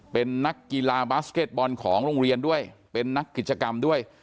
เป็นนักกีฬาบาสเก็ตบอลของโรงเรียนด้วยเป็นนักกิจกรรมด้วย